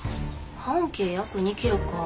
半径約２キロか。